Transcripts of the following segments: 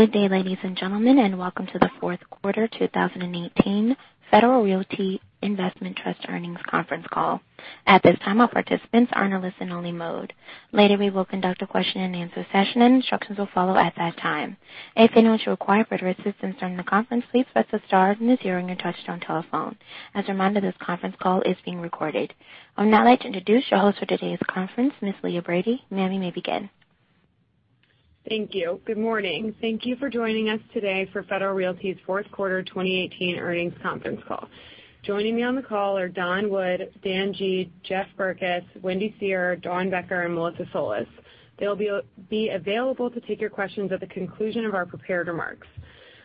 Good day, ladies and gentlemen, and welcome to the fourth quarter 2018 Federal Realty Investment Trust earnings conference call. At this time, all participants are in a listen-only mode. Later, we will conduct a question-and-answer session, and instructions will follow at that time. If you know what you require for assistance during the conference, please press the star and the zero on your touch-tone telephone. As a reminder, this conference call is being recorded. I would now like to introduce your host for today's conference, Ms. Leah Brady. Ma'am, you may begin. Thank you. Good morning. Thank you for joining us today for Federal Realty's fourth quarter 2018 earnings conference call. Joining me on the call are Don Wood, Dan Gee, Jeff Berkes, Wendy Seher, Dawn Becker, and Melissa Solis. They'll be available to take your questions at the conclusion of our prepared remarks.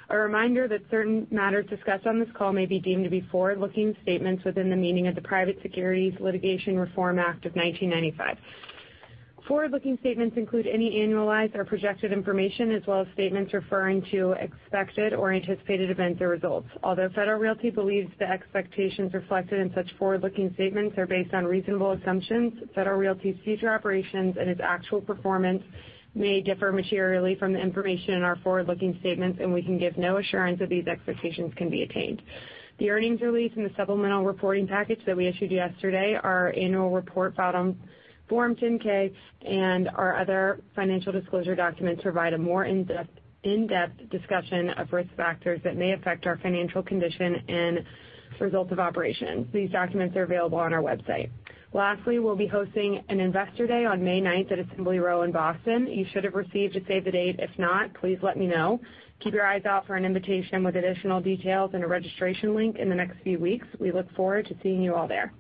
A reminder that certain matters discussed on this call may be deemed to be forward-looking statements within the meaning of the Private Securities Litigation Reform Act of 1995. Forward-looking statements include any annualized or projected information, as well as statements referring to expected or anticipated events or results. Although Federal Realty believes the expectations reflected in such forward-looking statements are based on reasonable assumptions, Federal Realty's future operations and its actual performance may differ materially from the information in our forward-looking statements, and we can give no assurance that these expectations can be attained. The earnings release and the supplemental reporting package that we issued yesterday, our annual report filed on Form 10-K and our other financial disclosure documents provide a more in-depth discussion of risk factors that may affect our financial condition and results of operations. These documents are available on our website. Lastly, we'll be hosting an investor day on May 9th at Assembly Row in Boston. You should have received a save the date. If not, please let me know. Keep your eyes out for an invitation with additional details and a registration link in the next few weeks. We look forward to seeing you all there.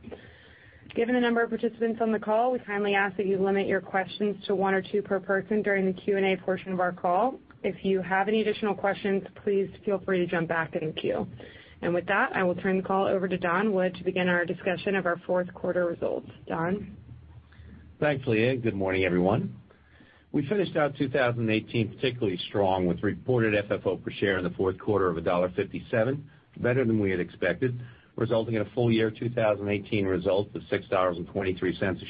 Given the number of participants on the call, we kindly ask that you limit your questions to one or two per person during the Q&A portion of our call. If you have any additional questions, please feel free to jump back in queue. With that, I will turn the call over to Don Wood to begin our discussion of our fourth quarter results. Don? Thanks, Leah. Good morning, everyone. We finished out 2018 particularly strong with reported FFO per share in the fourth quarter of $1.57, better than we had expected, resulting in a full-year 2018 result of $6.23 a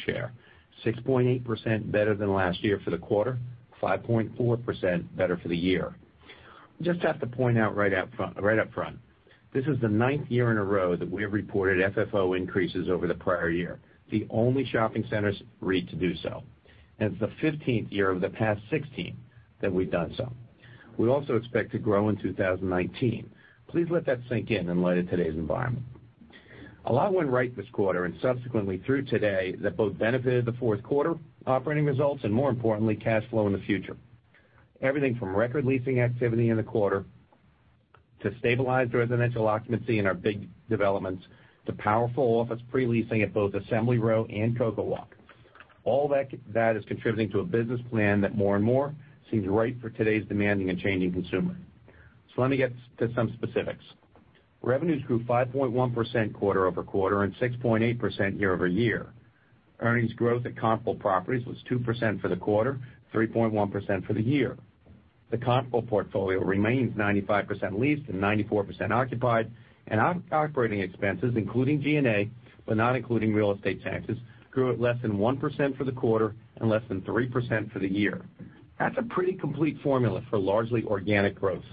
share, 6.8% better than last year for the quarter, 5.4% better for the year. This is the ninth year in a row that we have reported FFO increases over the prior year, the only shopping center REIT to do so. It's the 15th year of the past 16 that we've done so. We also expect to grow in 2019. Please let that sink in in light of today's environment. A lot went right this quarter and subsequently through today that both benefited the fourth quarter operating results and more importantly, cash flow in the future. Everything from record leasing activity in the quarter to stabilized residential occupancy in our big developments to powerful office pre-leasing at both Assembly Row and CocoWalk. All that is contributing to a business plan that more and more seems right for today's demanding and changing consumer. Let me get to some specifics. Revenues grew 5.1% quarter-over-quarter and 6.8% year-over-year. Earnings growth at comparable properties was 2% for the quarter, 3.1% for the year. The comparable portfolio remains 95% leased and 94% occupied, operating expenses, including G&A, but not including real estate taxes, grew at less than 1% for the quarter and less than 3% for the year. That's a pretty complete formula for largely organic growth.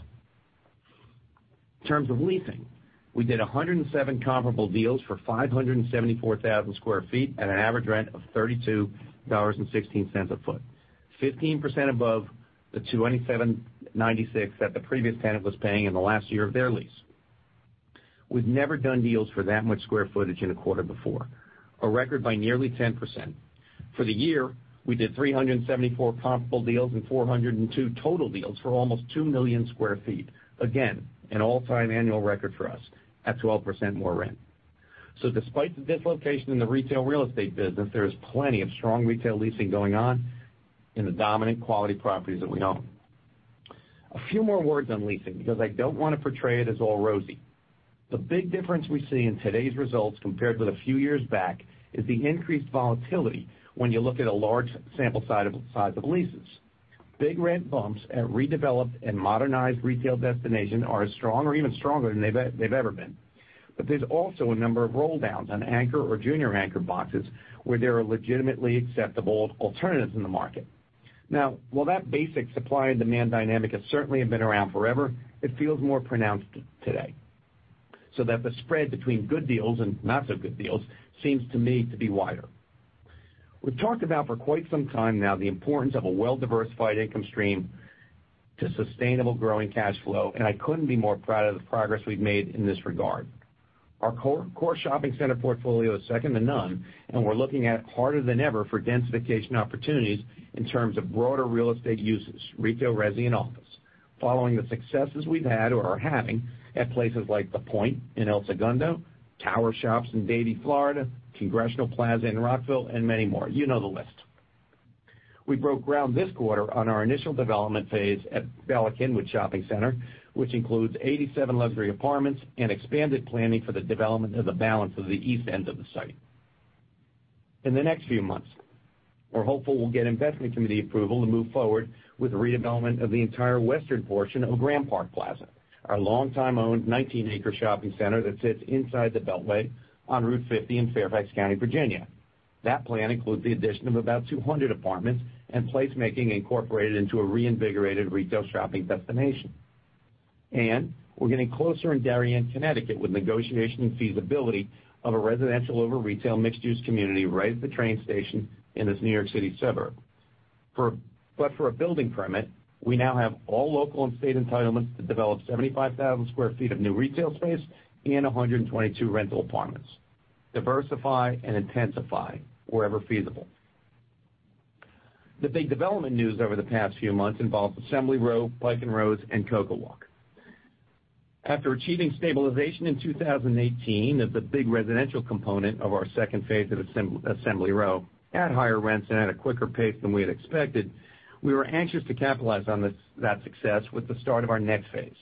In terms of leasing, we did 107 comparable deals for 574,000 sq ft at an average rent of $32.16 a foot, 15% above the $27.96 that the previous tenant was paying in the last year of their lease. We've never done deals for that much square footage in a quarter before, a record by nearly 10%. For the year, we did 374 comparable deals and 402 total deals for almost 2 million sq ft. Again, an all-time annual record for us at 12% more rent. Despite the dislocation in the retail real estate business, there is plenty of strong retail leasing going on in the dominant quality properties that we own. A few more words on leasing, because I don't want to portray it as all rosy. The big difference we see in today's results compared with a few years back is the increased volatility when you look at a large sample size of leases. Big rent bumps at redeveloped and modernized retail destinations are as strong or even stronger than they've ever been. There's also a number of rolldowns on anchor or junior anchor boxes where there are legitimately acceptable alternatives in the market. Now, while that basic supply and demand dynamic has certainly been around forever, it feels more pronounced today, so that the spread between good deals and not-so-good deals seems to me to be wider. We've talked about for quite some time now the importance of a well-diversified income stream to sustainable growing cash flow, I couldn't be more proud of the progress we've made in this regard. Our core shopping center portfolio is second to none. We're looking at harder than ever for densification opportunities in terms of broader real estate uses, retail, resi, and office. Following the successes we've had or are having at places like The Point in El Segundo, Tower Shops in Davie, Florida, Congressional Plaza in Rockville, and many more. You know the list. We broke ground this quarter on our initial development phase at Bala Cynwyd Shopping Center, which includes 87 luxury apartments and expanded planning for the development of the balance of the east end of the site. In the next few months, we're hopeful we'll get investment committee approval to move forward with the redevelopment of the entire western portion of Graham Park Plaza, our long-time owned 19-acre shopping center that sits inside the Beltway on Route 50 in Fairfax County, Virginia. That plan includes the addition of about 200 apartments and placemaking incorporated into a reinvigorated retail shopping destination. We're getting closer in Darien, Connecticut, with negotiation and feasibility of a residential over retail mixed-use community right at the train station in this New York City suburb. For a building permit, we now have all local and state entitlements to develop 75,000 sq ft of new retail space and 122 rental apartments. Diversify and intensify wherever feasible. The big development news over the past few months involves Assembly Row, Pike & Rose, and CocoWalk. After achieving stabilization in 2018 of the big residential component of our second phase of Assembly Row at higher rents and at a quicker pace than we had expected, we were anxious to capitalize on that success with the start of our next phase.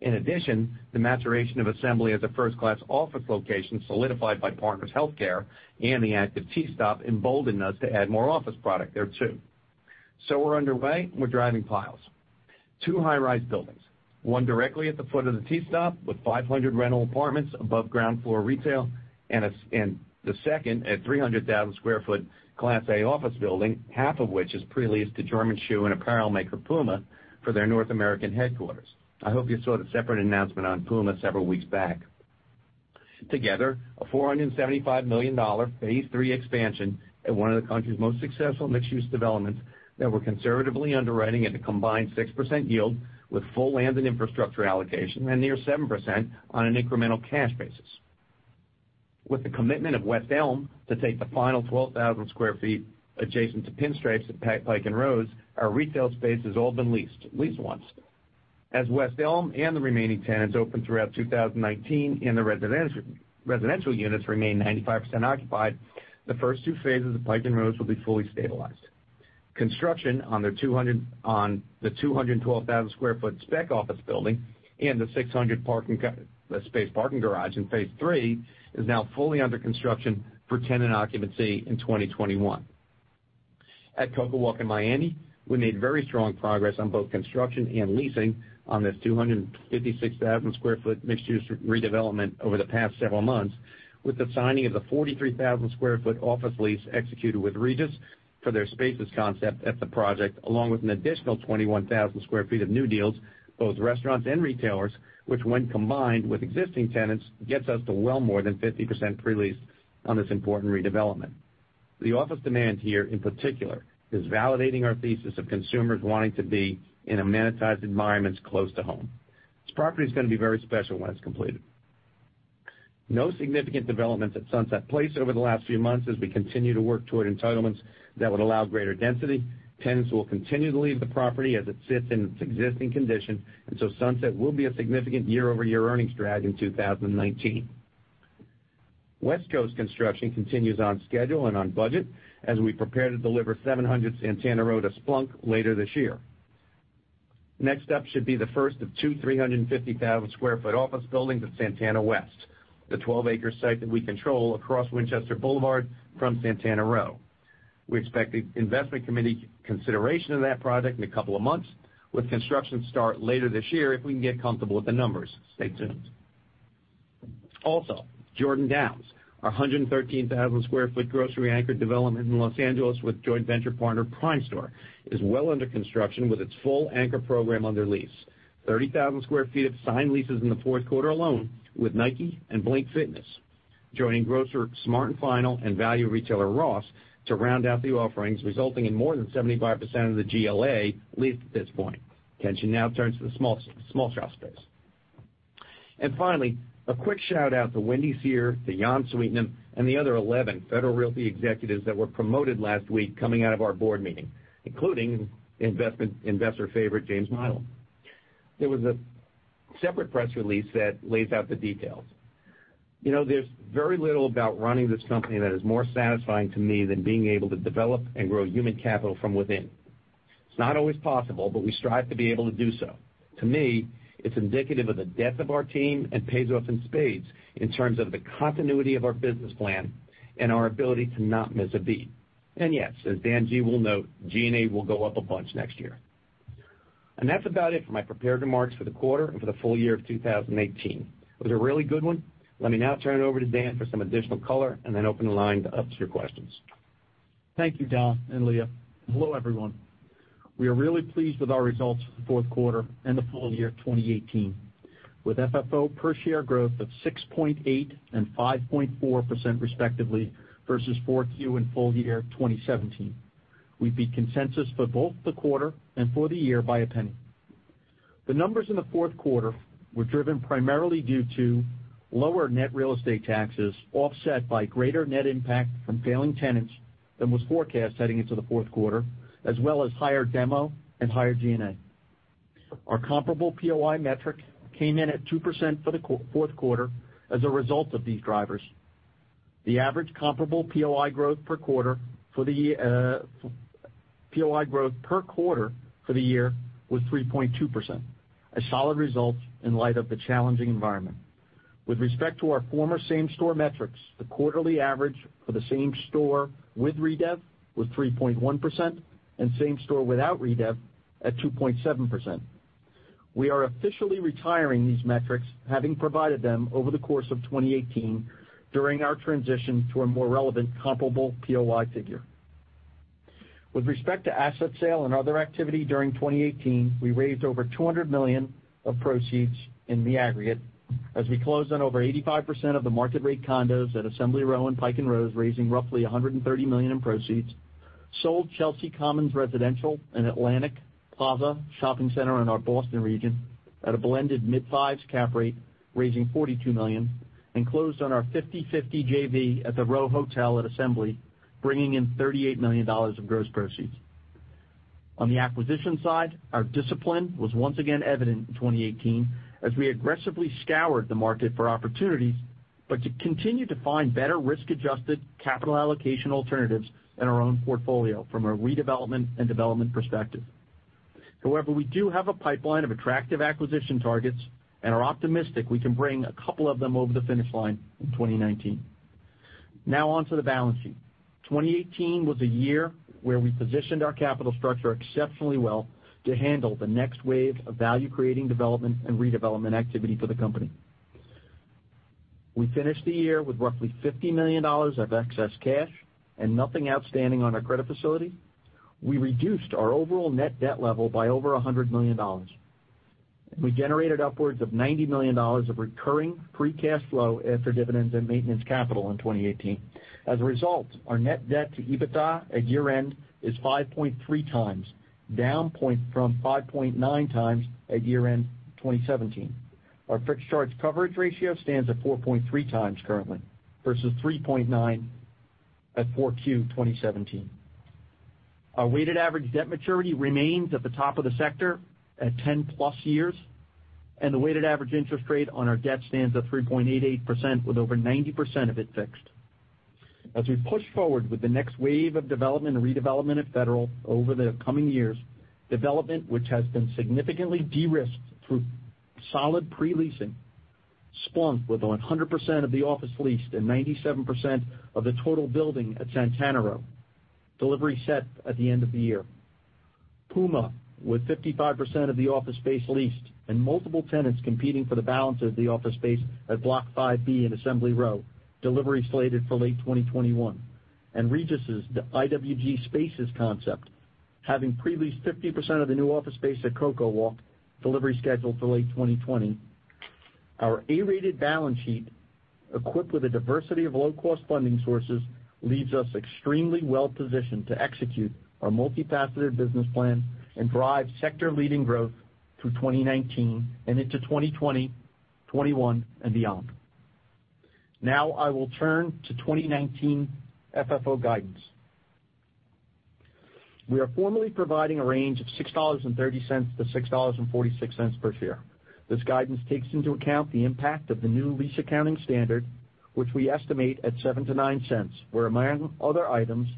In addition, the maturation of Assembly as a first-class office location solidified by Partners HealthCare and the active T stop emboldened us to add more office product there, too. We're underway, and we're driving piles. Two high-rise buildings, one directly at the foot of the T stop with 500 rental apartments above ground-floor retail, and the second, a 300,000 sq ft class A office building, half of which is pre-leased to German shoe and apparel maker PUMA for their North American headquarters. I hope you saw the separate announcement on PUMA several weeks back. Together, a $475 million phase 3 expansion at one of the country's most successful mixed-use developments that we're conservatively underwriting at a combined 6% yield with full land and infrastructure allocation and near 7% on an incremental cash basis. With the commitment of West Elm to take the final 12,000 sq ft adjacent to Pinstripes at Pike & Rose, our retail space has all been leased at least once. As West Elm and the remaining tenants open throughout 2019, and the residential units remain 95% occupied, the first two phases of Pike & Rose will be fully stabilized. Construction on the 212,000 sq ft spec office building and the 600 space parking garage in phase 3 is now fully under construction for tenant occupancy in 2021. At CocoWalk in Miami, we made very strong progress on both construction and leasing on this 256,000 sq ft mixed-use redevelopment over the past several months, with the signing of the 43,000 sq ft office lease executed with Regus for their Spaces concept at the project, along with an additional 21,000 sq ft of new deals, both restaurants and retailers, which when combined with existing tenants, gets us to well more than 50% pre-lease on this important redevelopment. The office demand here, in particular, is validating our thesis of consumers wanting to be in amenitized environments close to home. This property's going to be very special when it's completed. No significant developments at Sunset Place over the last few months as we continue to work toward entitlements that would allow greater density. Tenants will continue to leave the property as it sits in its existing condition, Sunset will be a significant year-over-year earnings drag in 2019. West Coast construction continues on schedule and on budget as we prepare to deliver 700 Santana Row to Splunk later this year. Next up should be the first of two 350,000 sq ft office buildings at Santana West, the 12-acre site that we control across Winchester Boulevard from Santana Row. We expect the investment committee consideration of that project in a couple of months, with construction start later this year if we can get comfortable with the numbers. Stay tuned. Also, Jordan Downs, our 113,000 sq ft grocery-anchored development in Los Angeles with joint venture partner Primestor, is well under construction with its full anchor program under lease. 30,000 sq ft of signed leases in the fourth quarter alone with Nike and Blink Fitness. Joining grocer Smart & Final and value retailer Ross to round out the offerings, resulting in more than 75% of the GLA leased at this point. Attention now turns to the small shop space. Finally, a quick shout-out to Wendy Seher, to Jan Sweetnam, and the other 11 Federal Realty executives that were promoted last week coming out of our board meeting, including investor favorite James Milam. There was a separate press release that lays out the details. There's very little about running this company that is more satisfying to me than being able to develop and grow human capital from within. It's not always possible, but we strive to be able to do so. To me, it's indicative of the depth of our team and pays off in spades in terms of the continuity of our business plan and our ability to not miss a beat. Yes, as Dan G. will note, G&A will go up a bunch next year. That's about it for my prepared remarks for the quarter and for the full year of 2018. It was a really good one. Let me now turn it over to Dan for some additional color and then open the line up to your questions. Thank you, Don and Leah. Hello, everyone. We are really pleased with our results for the fourth quarter and the full year of 2018, with FFO per share growth of 6.8% and 5.4% respectively, versus 4Q and full year 2017. We beat consensus for both the quarter and for the year by a penny. The numbers in the fourth quarter were driven primarily due to lower net real estate taxes offset by greater net impact from failing tenants than was forecast heading into the fourth quarter, as well as higher demo and higher G&A. Our comparable POI metric came in at 2% for the fourth quarter as a result of these drivers. The average comparable POI growth per quarter for the year was 3.2%, a solid result in light of the challenging environment. With respect to our former same-store metrics, the quarterly average for the same store with redev was 3.1%, and same store without redev at 2.7%. We are officially retiring these metrics, having provided them over the course of 2018 during our transition to a more relevant comparable POI figure. With respect to asset sale and other activity during 2018, we raised over $200 million of proceeds in the aggregate as we closed on over 85% of the market rate condos at Assembly Row and Pike & Rose, raising roughly $130 million in proceeds. Sold Chelsea Commons Residential and Atlantic Plaza shopping center in our Boston region at a blended mid-fives cap rate, raising $42 million, and closed on our 50/50 JV at The Row Hotel at Assembly, bringing in $38 million of gross proceeds. On the acquisition side, our discipline was once again evident in 2018 as we aggressively scoured the market for opportunities, but to continue to find better risk-adjusted capital allocation alternatives in our own portfolio from a redevelopment and development perspective. However, we do have a pipeline of attractive acquisition targets and are optimistic we can bring a couple of them over the finish line in 2019. Now on to the balance sheet. 2018 was a year where we positioned our capital structure exceptionally well to handle the next wave of value-creating development and redevelopment activity for the company. We finished the year with roughly $50 million of excess cash and nothing outstanding on our credit facility. We reduced our overall net debt level by over $100 million. We generated upwards of $90 million of recurring free cash flow after dividends and maintenance capital in 2018. As a result, our net debt to EBITDA at year-end is 5.3 times, down from 5.9 times at year-end 2017. Our fixed charge coverage ratio stands at 4.3 times currently, versus 3.9 at 4Q 2017. Our weighted average debt maturity remains at the top of the sector at 10-plus years, and the weighted average interest rate on our debt stands at 3.88%, with over 90% of it fixed. As we push forward with the next wave of development and redevelopment at Federal over the coming years, development which has been significantly de-risked through solid pre-leasing, Splunk with 100% of the office leased and 97% of the total building at Santana Row, delivery set at the end of the year. PUMA, with 55% of the office space leased and multiple tenants competing for the balance of the office space at Block 5B and Assembly Row, delivery slated for late 2021. Regus' IWG Spaces concept, having pre-leased 50% of the new office space at CocoWalk, delivery scheduled for late 2020. Our A-rated balance sheet, equipped with a diversity of low-cost funding sources, leaves us extremely well positioned to execute our multifaceted business plan and drive sector-leading growth through 2019 and into 2020, 2021, and beyond. I will turn to 2019 FFO guidance. We are formally providing a range of $6.30 to $6.46 per share. This guidance takes into account the impact of the new lease accounting standard, which we estimate at $0.07-$0.09, where among other items,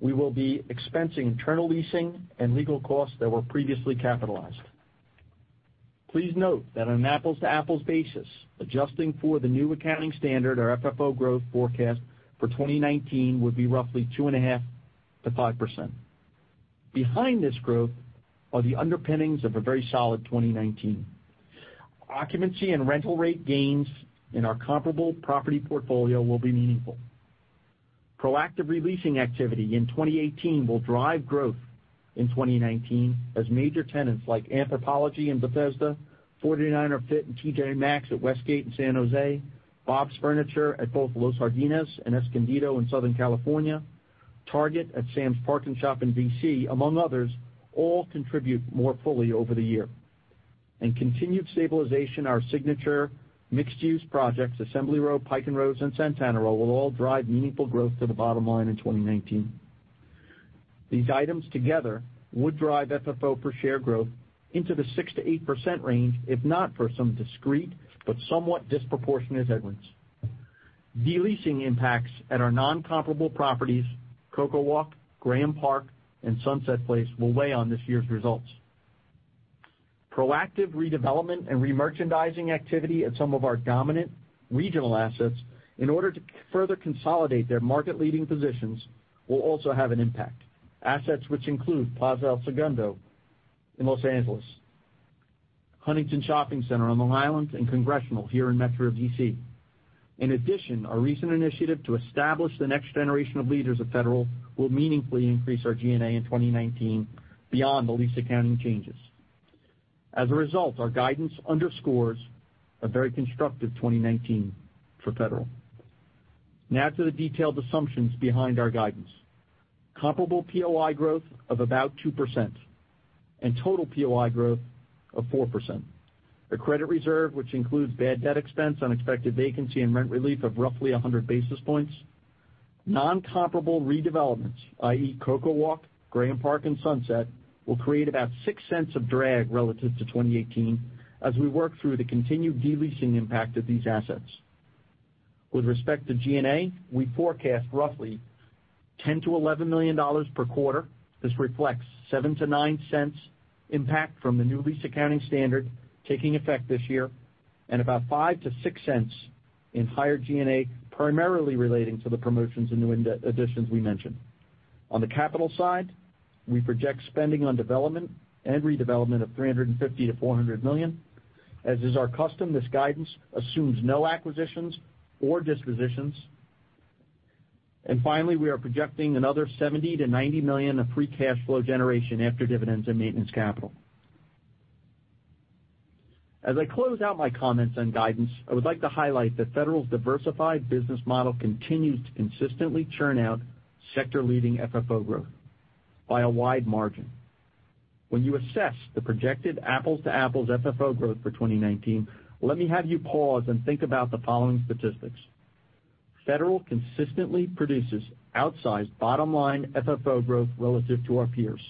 we will be expensing internal leasing and legal costs that were previously capitalized. Please note that on an apples-to-apples basis, adjusting for the new accounting standard, our FFO growth forecast for 2019 would be roughly 2.5%-5%. Behind this growth are the underpinnings of a very solid 2019. Occupancy and rental rate gains in our comparable property portfolio will be meaningful. Proactive re-leasing activity in 2018 will drive growth in 2019 as major tenants like Anthropologie in Bethesda, 49ers Fit and TJ Maxx at Westgate in San Jose, Bob's Furniture at both Los Jardines and Escondido in Southern California, Target at Sam's Park & Shop in D.C., among others, all contribute more fully over the year. Continued stabilization our signature mixed-use projects, Assembly Row, Pike & Rose, and Santana Row, will all drive meaningful growth to the bottom line in 2019. These items together would drive FFO per share growth into the 6%-8% range if not for some discrete but somewhat disproportionate headwinds. De-leasing impacts at our non-comparable properties, CocoWalk, Graham Park, and Sunset Place, will weigh on this year's results. Proactive redevelopment and remerchandising activity at some of our dominant regional assets in order to further consolidate their market-leading positions will also have an impact. Assets which include Plaza El Segundo in Los Angeles, Huntington Shopping Center on Long Island, and Congressional here in Metro D.C. In addition, our recent initiative to establish the next generation of leaders of Federal will meaningfully increase our G&A in 2019 beyond the lease accounting changes. As a result, our guidance underscores a very constructive 2019 for Federal. To the detailed assumptions behind our guidance. Comparable POI growth of about 2% and total POI growth of 4%. A credit reserve which includes bad debt expense, unexpected vacancy, and rent relief of roughly 100 basis points. Non-comparable redevelopments, i.e., CocoWalk, Graham Park, and Sunset, will create about $0.06 of drag relative to 2018 as we work through the continued de-leasing impact of these assets. With respect to G&A, we forecast roughly $10 million-$11 million per quarter. This reflects $0.07-$0.09 impact from the new lease accounting standard taking effect this year, and about $0.05-$0.06 in higher G&A, primarily relating to the promotions and new additions we mentioned. On the capital side, we project spending on development and redevelopment of $350 million-$400 million. As is our custom, this guidance assumes no acquisitions or dispositions. Finally, we are projecting another $70 million-$90 million of free cash flow generation after dividends and maintenance capital. As I close out my comments on guidance, I would like to highlight that Federal's diversified business model continues to consistently churn out sector-leading FFO growth by a wide margin. When you assess the projected apples-to-apples FFO growth for 2019, let me have you pause and think about the following statistics. Federal consistently produces outsized bottom-line FFO growth relative to our peers,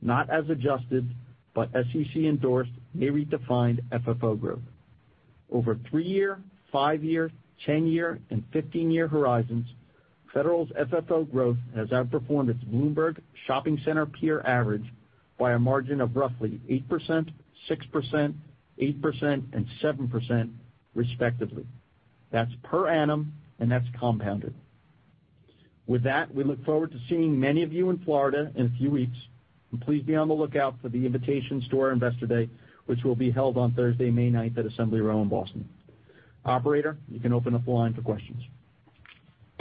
not as adjusted, but SEC-endorsed, may redefined FFO growth. Over three-year, five-year, 10-year, and 15-year horizons, Federal's FFO growth has outperformed its Bloomberg shopping center peer average by a margin of roughly 8%, 6%, 8%, and 7%, respectively. That's per annum, that's compounded. With that, we look forward to seeing many of you in Florida in a few weeks. Please be on the lookout for the invitations to our investor day, which will be held on Thursday, May 9th at Assembly Row in Boston. Operator, you can open up the line for questions.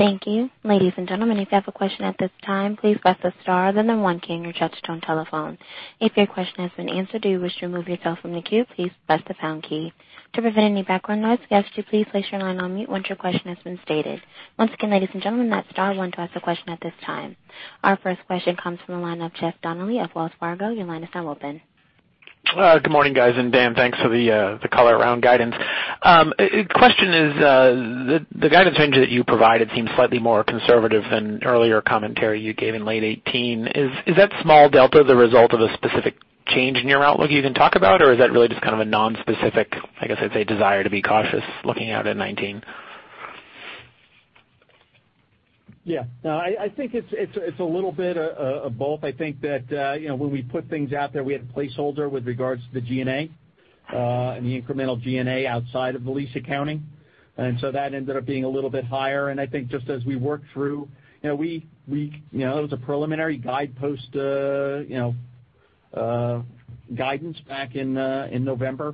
Thank you. Ladies and gentlemen, if you have a question at this time, please press the star, then the one key on your touchtone telephone. If your question has been answered, or you wish to remove yourself from the queue, please press the pound key. To prevent any background noise, I ask that you please place your line on mute once your question has been stated. Once again, ladies and gentlemen, that's star one to ask a question at this time. Our first question comes from the line of Jeff Donnelly of Wells Fargo. Your line is now open. Good morning, guys. Dan, thanks for the color around guidance. Question is, the guidance range that you provided seems slightly more conservative than earlier commentary you gave in late 2018. Is that small delta the result of a specific change in your outlook you can talk about? Or is that really just kind of a non-specific, I guess I'd say desire to be cautious looking out at 2019? No, I think it is a little bit of both. I think that when we put things out there, we had a placeholder with regards to the G&A, and the incremental G&A outside of the lease accounting. That ended up being a little bit higher. I think just as we worked through, it was a preliminary guidepost guidance back in November.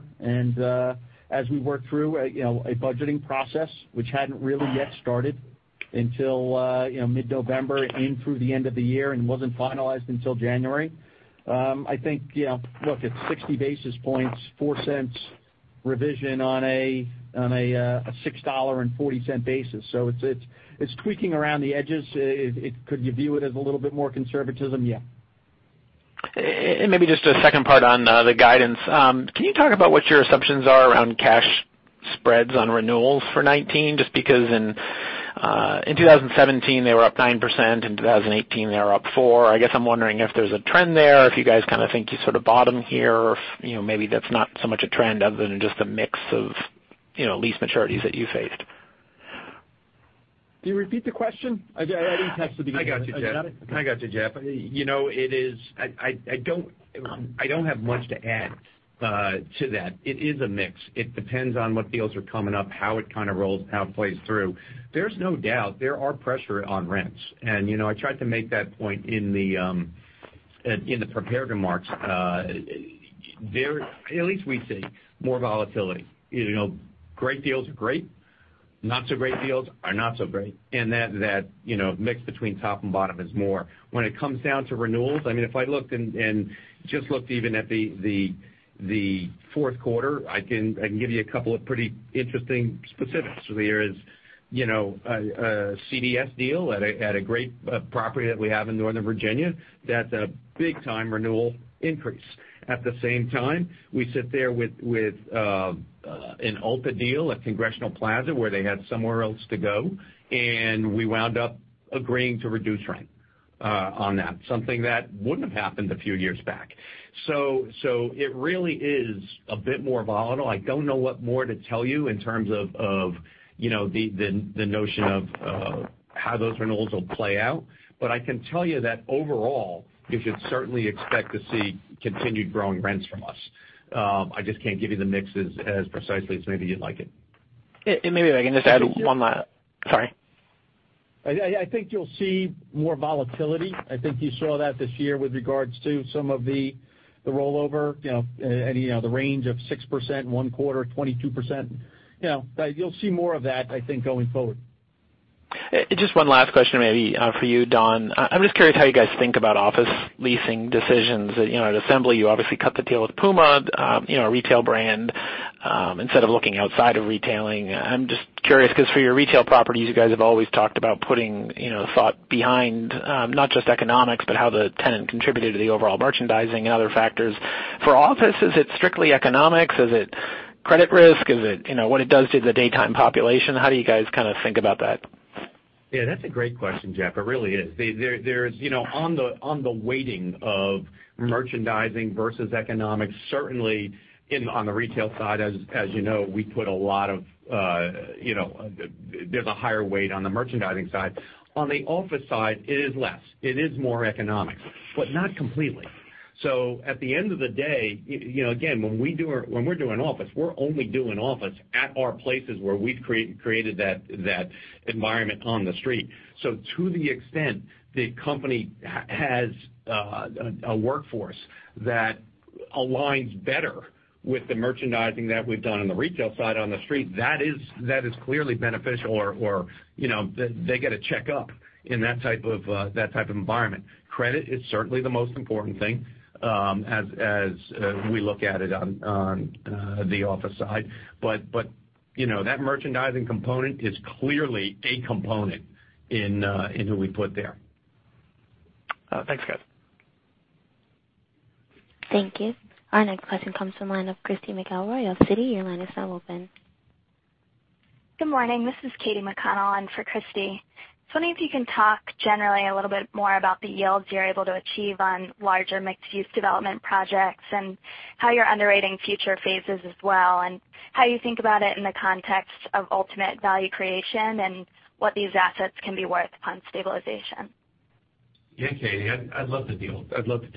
As we worked through a budgeting process, which hadn't really yet started until mid-November in through the end of the year and wasn't finalized until January. I think, look, it is 60 basis points, $0.04 revision on a $6.40 basis. It is tweaking around the edges. Could you view it as a little bit more conservatism? Maybe just a second part on the guidance. Can you talk about what your assumptions are around cash spreads on renewals for 2019? Just because in 2017, they were up 9%, in 2018, they were up 4%. I guess I am wondering if there is a trend there, if you guys kind of think you sort of bottom here, or if maybe that is not so much a trend other than just a mix of lease maturities that you faced. Can you repeat the question? I didn't catch the beginning. I got you, Jeff. I don't have much to add to that. It is a mix. It depends on what deals are coming up, how it kind of rolls, how it plays through. There is no doubt there are pressure on rents. I tried to make that point in the prepared remarks. At least we see more volatility. Great deals are great. Not so great deals are not so great. That mix between top and bottom is more. When it comes down to renewals, if I looked and just looked even at the fourth quarter, I can give you a couple of pretty interesting specifics. There is a CVS deal at a great property that we have in Northern Virginia that is a big-time renewal increase. At the same time, we sit there with an Ulta deal at Congressional Plaza, where they had somewhere else to go, and we wound up agreeing to reduce rent on that. Something that wouldn't have happened a few years back. It really is a bit more volatile. I don't know what more to tell you in terms of the notion of how those renewals will play out. I can tell you that overall, you should certainly expect to see continued growing rents from us. I just can't give you the mixes as precisely as maybe you'd like it. Maybe if I can just add one last. Sorry. I think you'll see more volatility. I think you saw that this year with regards to some of the rollover, and the range of 6%, one quarter, 22%. You'll see more of that, I think, going forward. Just one last question, maybe for you, Don. I'm just curious how you guys think about office leasing decisions. At Assembly, you obviously cut the deal with PUMA, a retail brand, instead of looking outside of retailing. I'm just curious because for your retail properties, you guys have always talked about putting thought behind not just economics, but how the tenant contributed to the overall merchandising and other factors. For office, is it strictly economics? Is it credit risk? Is it what it does to the daytime population? How do you guys kind of think about that? Yeah, that's a great question, Jeff. It really is. On the weighting of merchandising versus economics, certainly on the retail side, as you know, there's a higher weight on the merchandising side. On the office side, it is less. It is more economics, but not completely. At the end of the day, again, when we're doing office, we're only doing office at our places where we've created that environment on the street. To the extent the company has a workforce that aligns better with the merchandising that we've done on the retail side on the street, that is clearly beneficial or they get a checkup in that type of environment. Credit is certainly the most important thing as we look at it on the office side. That merchandising component is clearly a component in who we put there. Thanks, guys. Thank you. Our next question comes from the line of Christy McElroy of Citi. Your line is now open. Good morning. This is Katy McConnell in for Christy. Just wondering if you can talk generally a little bit more about the yields you're able to achieve on larger mixed-use development projects, and how you're underwriting future phases as well, and how you think about it in the context of ultimate value creation, and what these assets can be worth upon stabilization. Yeah, Katy. I'd love to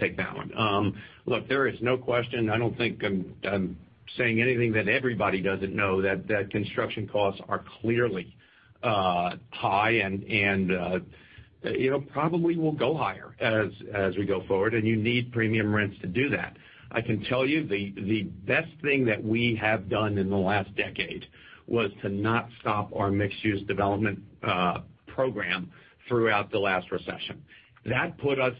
take that one. Look, there is no question, I don't think I'm saying anything that everybody doesn't know that construction costs are clearly high, and probably will go higher as we go forward, and you need premium rents to do that. I can tell you the best thing that we have done in the last decade was to not stop our mixed-use development program throughout the last recession. That put us,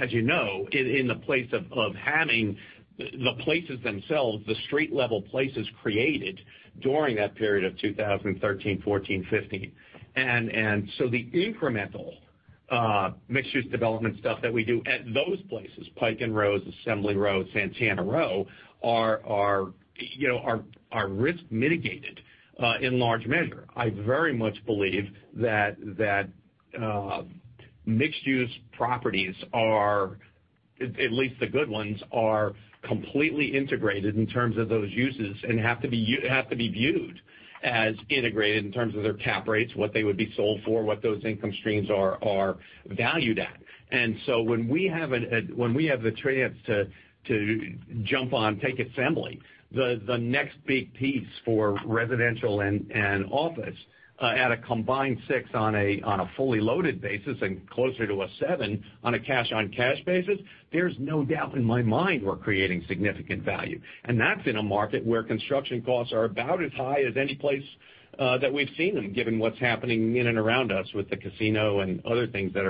as you know, in the place of having the places themselves, the street-level places created during that period of 2013, '14, '15. The incremental mixed-use development stuff that we do at those places, Pike & Rose, Assembly Row, Santana Row, are risk mitigated in large measure. I very much believe that mixed-use properties are, at least the good ones, are completely integrated in terms of those uses and have to be viewed as integrated in terms of their cap rates, what they would be sold for, what those income streams are valued at. When we have the chance to jump on, take Assembly, the next big piece for residential and office at a combined six on a fully loaded basis and closer to a seven on a cash on cash basis, there's no doubt in my mind we're creating significant value. That's in a market where construction costs are about as high as any place that we've seen them, given what's happening in and around us with the casino and other things that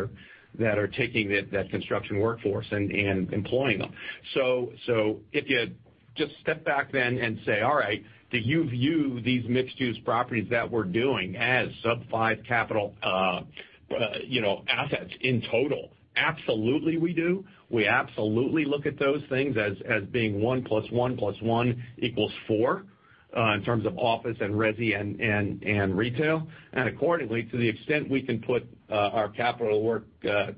are taking that construction workforce and employing them. If you just step back then and say, all right, do you view these mixed-use properties that we're doing as sub five capital assets in total? Absolutely, we do. We absolutely look at those things as being one plus one plus one equals four in terms of office and resi and retail. Accordingly, to the extent we can put our capital to work 6%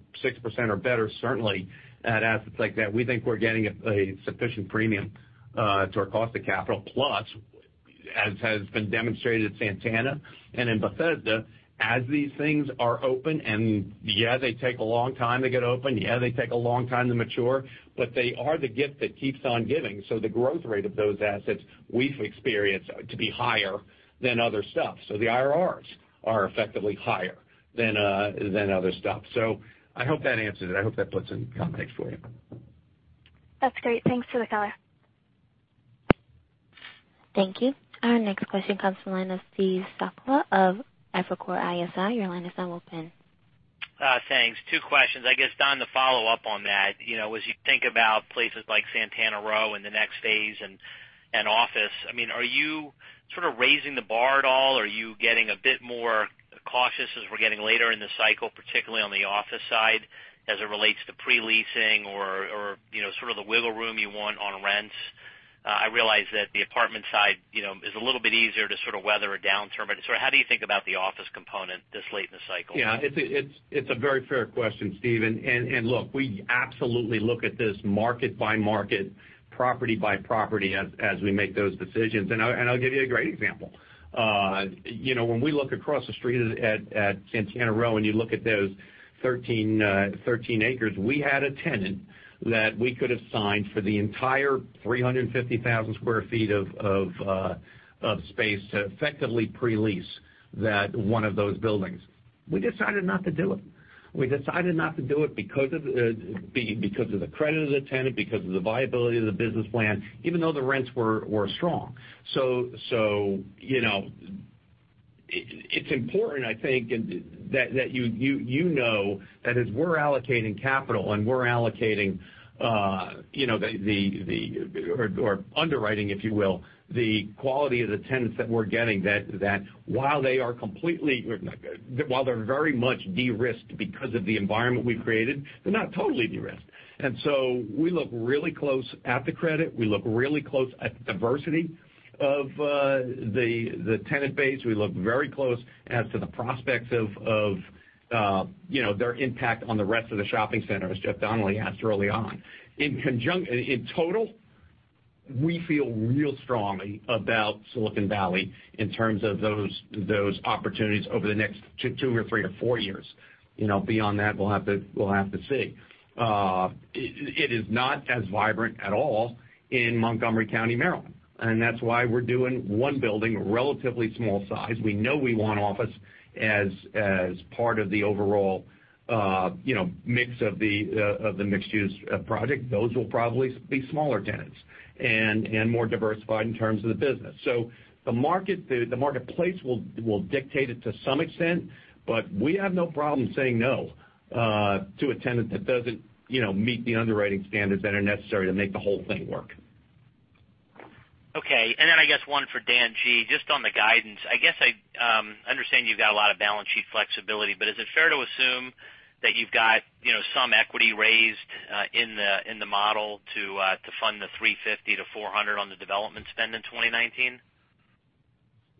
or better certainly at assets like that, we think we're getting a sufficient premium to our cost of capital. Plus, as has been demonstrated at Santana and in Bethesda, as these things are open, and yeah, they take a long time to get open, yeah, they take a long time to mature, but they are the gift that keeps on giving. The growth rate of those assets we've experienced to be higher than other stuff. The IRRs are effectively higher than other stuff. I hope that answers it. I hope that puts in context for you. That's great. Thanks for the color. Thank you. Our next question comes from the line of Steve Sakwa of Evercore ISI. Your line is now open. Thanks. Two questions. I guess, Don, to follow up on that, as you think about places like Santana Row in the next phase and office, are you sort of raising the bar at all? Are you getting a bit more cautious as we're getting later in the cycle, particularly on the office side as it relates to pre-leasing or sort of the wiggle room you want on rents? I realize that the apartment side is a little bit easier to sort of weather a downturn, but how do you think about the office component this late in the cycle? Yeah, it's a very fair question, Steve. Look, we absolutely look at this market by market, property by property as we make those decisions. I'll give you a great example. When we look across the street at Santana Row, and you look at those 13 acres, we had a tenant that we could have signed for the entire 350,000 square feet of space to effectively pre-lease one of those buildings. We decided not to do it. We decided not to do it because of the credit of the tenant, because of the viability of the business plan, even though the rents were strong. It's important I think that you know that as we're allocating capital, we're allocating or underwriting, if you will, the quality of the tenants that we're getting, that while they're very much de-risked because of the environment we've created, they're not totally de-risked. We look really close at the credit. We look really close at the diversity of the tenant base. We look very close as to the prospects of their impact on the rest of the shopping center, as Jeff Donnelly asked early on. In total, we feel real strongly about Silicon Valley in terms of those opportunities over the next two to four years. Beyond that, we'll have to see. It is not as vibrant at all in Montgomery County, Maryland, and that's why we're doing one building, relatively small size. We know we want office as part of the overall mix of the mixed-use project. Those will probably be smaller tenants and more diversified in terms of the business. The marketplace will dictate it to some extent. We have no problem saying no to a tenant that doesn't meet the underwriting standards that are necessary to make the whole thing work. Okay. I guess one for Dan G. Just on the guidance. I guess I understand you've got a lot of balance sheet flexibility, but is it fair to assume that you've got some equity raised in the model to fund the $350-$400 on the development spend in 2019?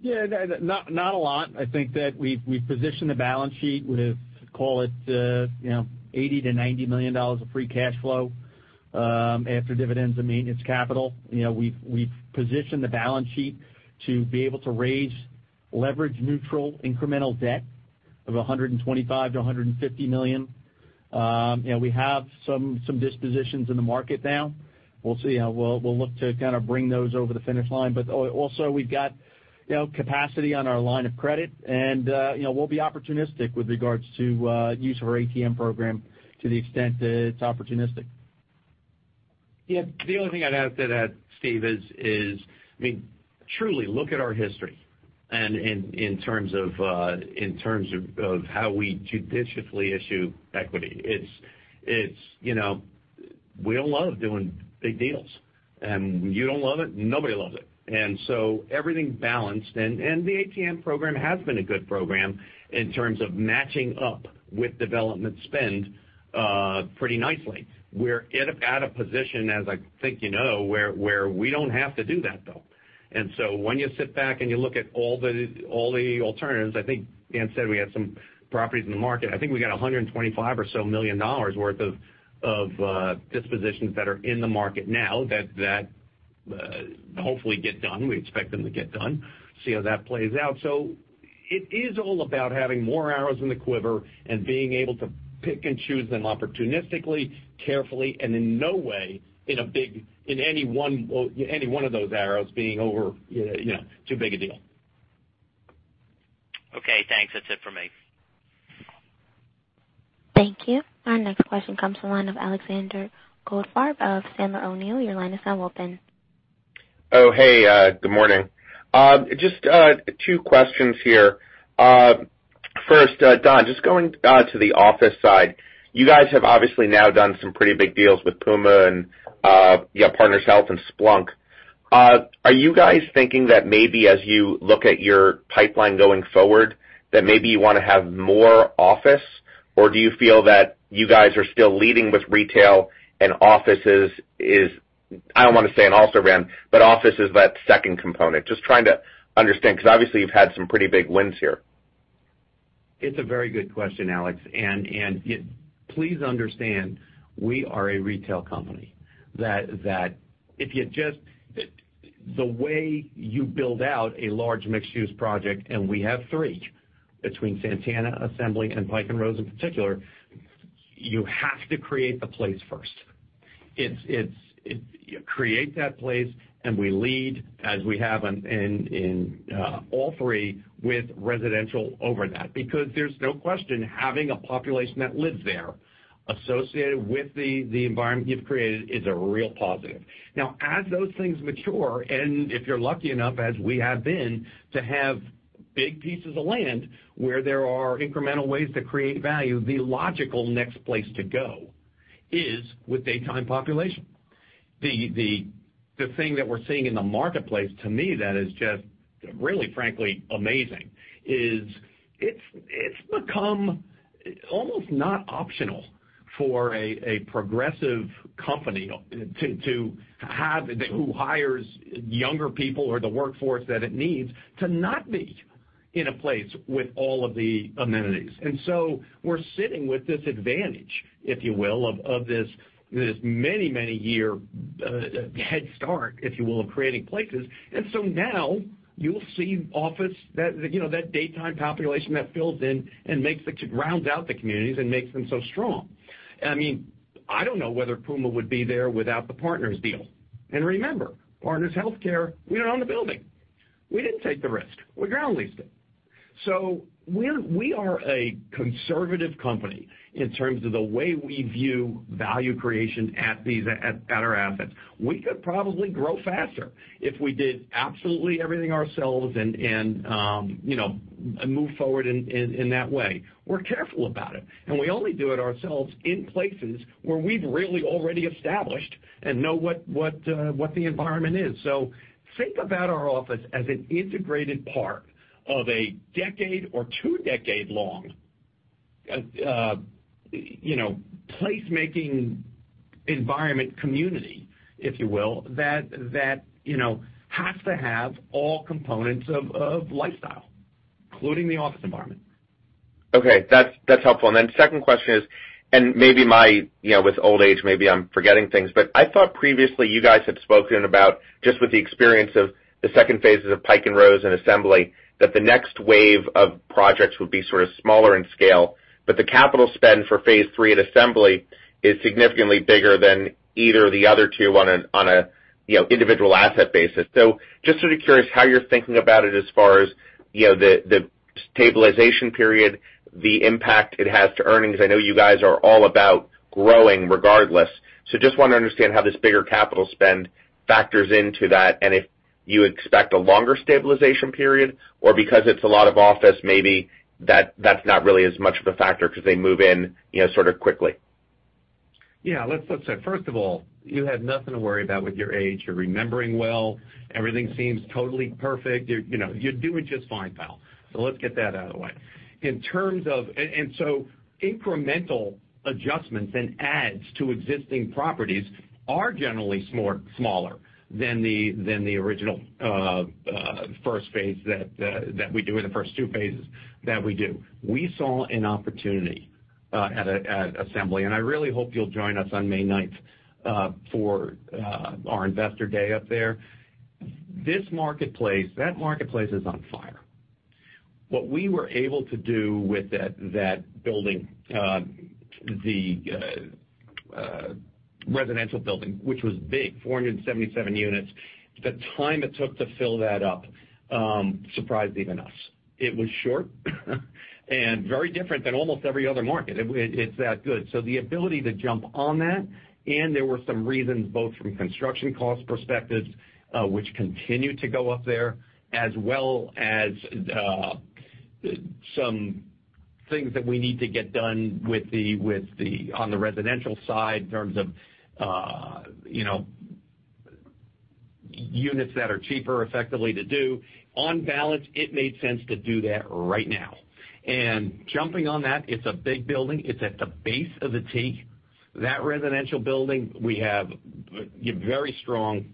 Yeah, not a lot. I think that we've positioned the balance sheet with, call it, $80 million to $90 million of free cash flow, after dividends and maintenance capital. We've positioned the balance sheet to be able to raise leverage-neutral incremental debt of $125 million to $150 million. We have some dispositions in the market now. We'll see. We'll look to kind of bring those over the finish line. Also, we've got capacity on our line of credit, and we'll be opportunistic with regards to use of our ATM program to the extent that it's opportunistic. Yeah. The only thing I'd add to that, Steve, is, truly look at our history in terms of how we judiciously issue equity. We don't love doing big deals, you don't love it. Nobody loves it. Everything's balanced, and the ATM program has been a good program in terms of matching up with development spend, pretty nicely. We're at a position, as I think you know, where we don't have to do that, though. When you sit back and you look at all the alternatives, I think Dan said we had some properties in the market. I think we got $125 or so million worth of dispositions that are in the market now that hopefully get done. We expect them to get done, see how that plays out. It is all about having more arrows in the quiver and being able to pick and choose them opportunistically, carefully, and in no way in any one of those arrows being over, too big a deal. Okay, thanks. That's it for me. Thank you. Our next question comes from the line of Alexander Goldfarb of Sandler O'Neill. Your line is now open. Oh, hey. Good morning. Just two questions here. First, Don, just going to the office side. You guys have obviously now done some pretty big deals with PUMA and Partners HealthCare and Splunk. Are you guys thinking that maybe as you look at your pipeline going forward, that maybe you want to have more office? Or do you feel that you guys are still leading with retail and office is, I don't want to say an also-ran, but office is that second component? Just trying to understand, because obviously you've had some pretty big wins here. It's a very good question, Alex. Please understand, we are a retail company. The way you build out a large mixed-use project, and we have three between Santana, Assembly, and Pike & Rose in particular, you have to create the place first. You create that place, we lead, as we have in all three, with residential over that. There's no question having a population that lives there associated with the environment you've created is a real positive. As those things mature, if you're lucky enough, as we have been, to have big pieces of land where there are incremental ways to create value, the logical next place to go is with daytime population. The thing that we're seeing in the marketplace, to me that is just really frankly amazing is, it's become almost not optional for a progressive company to have, who hires younger people or the workforce that it needs to not be in a place with all of the amenities. We're sitting with this advantage, if you will, of this many, many year head start, if you will, of creating places. Now you'll see office, that daytime population that fills in and rounds out the communities and makes them so strong. I don't know whether PUMA would be there without the Partners deal. Remember, Partners HealthCare, we don't own the building. We didn't take the risk. We ground leased it. We are a conservative company in terms of the way we view value creation at our assets. We could probably grow faster if we did absolutely everything ourselves and move forward in that way. We're careful about it, we only do it ourselves in places where we've really already established and know what the environment is. Think about our office as an integrated part of a decade or two decade long place-making environment community, if you will, that has to have all components of lifestyle, including the office environment. Okay. That is helpful. Second question is, maybe with old age, maybe I am forgetting things, but I thought previously you guys had spoken about just with the experience of the second phases of Pike & Rose and Assembly, that the next wave of projects would be sort of smaller in scale, but the capital spend for phase 3 at Assembly is significantly bigger than either of the other two on an individual asset basis. Just sort of curious how you are thinking about it as far as the stabilization period, the impact it has to earnings. I know you guys are all about growing regardless. Just want to understand how this bigger capital spend factors into that, and if you expect a longer stabilization period, or because it is a lot of office, maybe that is not really as much of a factor because they move in sort of quickly. Yeah. First of all, you have nothing to worry about with your age. You are remembering well. Everything seems totally perfect. You are doing just fine, pal. Let us get that out of the way. Incremental adjustments and adds to existing properties are generally smaller than the original first phase that we do, or the first two phases that we do. We saw an opportunity at Assembly, and I really hope you will join us on May 9th for our investor day up there. That marketplace is on fire. What we were able to do with that building, the residential building, which was big, 477 units, the time it took to fill that up surprised even us. It was short and very different than almost every other market. It is that good. The ability to jump on that, and there were some reasons, both from construction cost perspectives, which continue to go up there, as well as some things that we need to get done on the residential side in terms of units that are cheaper effectively to do. On balance, it made sense to do that right now. Jumping on that, it is a big building. It is at the base of the T. That residential building, we have very strong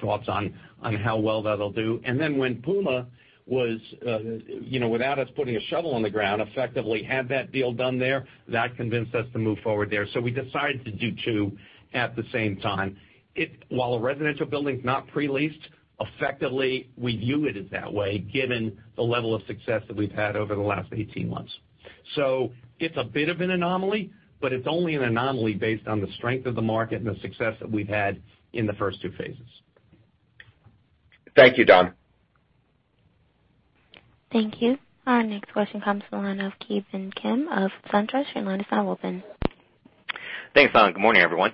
thoughts on how well that will do. When PUMA was, without us putting a shovel on the ground, effectively had that deal done there, that convinced us to move forward there. We decided to do two at the same time. While a residential building is not pre-leased, effectively, we view it as that way, given the level of success that we have had over the last 18 months. It's a bit of an anomaly, but it's only an anomaly based on the strength of the market and the success that we've had in the first two phases. Thank you, Don. Thank you. Our next question comes from the line of Ki Bin Kim of SunTrust. Your line is now open. Thanks, Anna. Good morning, everyone.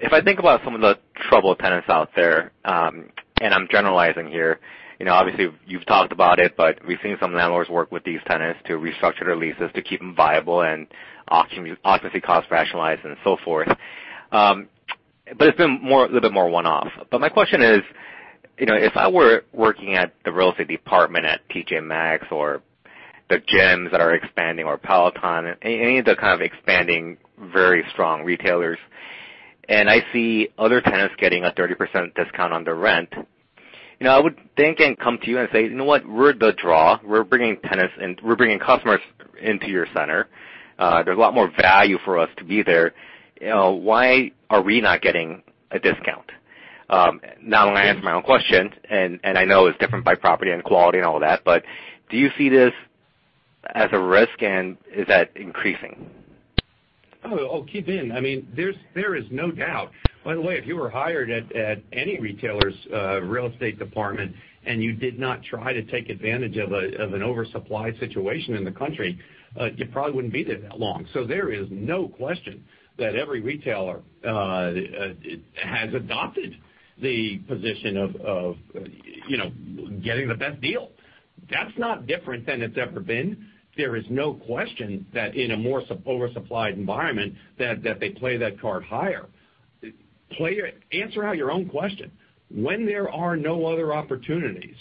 If I think about some of the troubled tenants out there, and I'm generalizing here, obviously you've talked about it, but we've seen some landlords work with these tenants to restructure their leases to keep them viable and occupancy cost rationalized and so forth. It's been a little bit more one-off. My question is, if I were working at the real estate department at TJ Maxx or the gyms that are expanding or Peloton, any of the kind of expanding, very strong retailers, and I see other tenants getting a 30% discount on their rent, I would think and come to you and say, "You know what? We're the draw. We're bringing tenants and we're bringing customers into your center. There's a lot more value for us to be there. Why are we not getting a discount?" Not only I answer my own question, and I know it's different by property and quality and all that, do you see this as a risk, and is that increasing? Oh, Ki Bin. There is no doubt. By the way, if you were hired at any retailer's real estate department and you did not try to take advantage of an oversupply situation in the country, you probably wouldn't be there that long. There is no question that every retailer has adopted the position of getting the best deal. That's not different than it's ever been. There is no question that in a more oversupplied environment, that they play that card higher. Answer out your own question. When there are no other opportunities,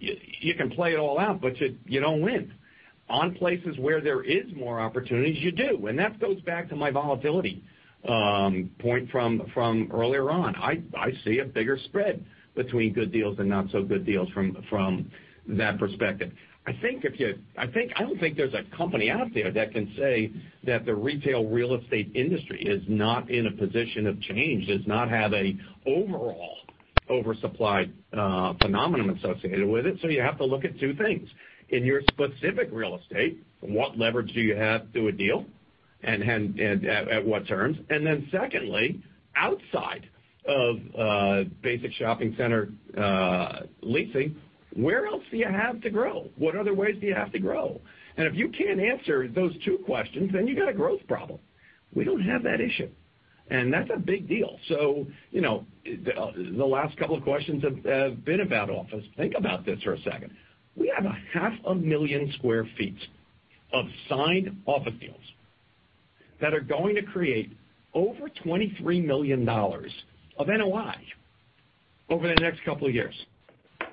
you can play it all out, you don't win. On places where there is more opportunities, you do, that goes back to my volatility point from earlier on. I see a bigger spread between good deals and not-so-good deals from that perspective. I don't think there's a company out there that can say that the retail real estate industry is not in a position of change, does not have a overall oversupplied phenomenon associated with it. You have to look at two things. In your specific real estate, what leverage do you have to a deal, and at what terms? Secondly, outside of basic shopping center leasing, where else do you have to grow? What other ways do you have to grow? If you can't answer those two questions, you got a growth problem. We don't have that issue. That's a big deal. The last couple of questions have been about office. Think about this for a second. We have a half a million square feet of signed office deals that are going to create over $23 million of NOI over the next couple of years.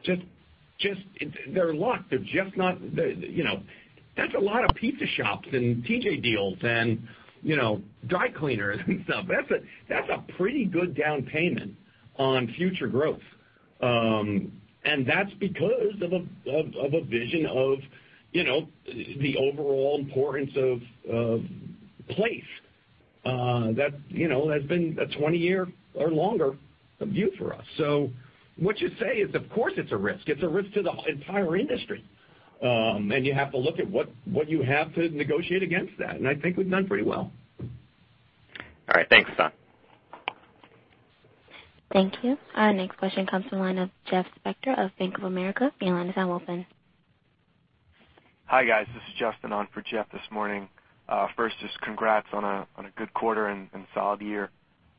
They're locked. That's a lot of pizza shops and TJ deals and dry cleaners and stuff. That's a pretty good down payment. That's because of a vision of the overall importance of place. That has been a 20-year or longer view for us. What you say is, of course, it's a risk. It's a risk to the entire industry. You have to look at what you have to negotiate against that, and I think we've done pretty well. All right. Thanks, Don. Thank you. Our next question comes from the line of Jeffrey Spector of Bank of America. Your line is now open. Hi, guys. This is Justin on for Jeff this morning. First, just congrats on a good quarter and solid year.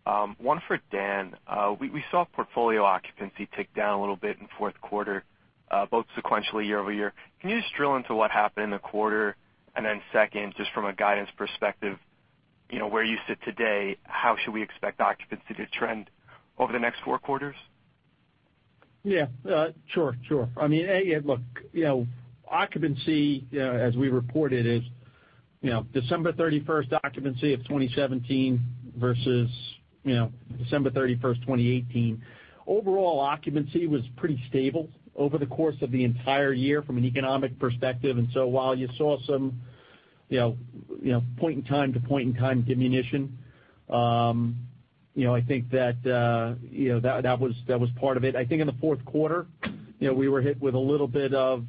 One for Dan. We saw portfolio occupancy tick down a little bit in the fourth quarter, both sequentially year-over-year. Can you just drill into what happened in the quarter? Then second, just from a guidance perspective, where you sit today, how should we expect occupancy to trend over the next four quarters? Yeah. Sure. Look, occupancy, as we reported is December 31st occupancy of 2017 versus December 31st, 2018. Overall occupancy was pretty stable over the course of the entire year from an economic perspective. While you saw some point-in-time to point-in-time diminution, I think that was part of it. I think in the fourth quarter, we were hit with a little bit of